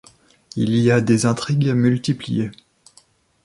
Il y a des intrigues multipliées.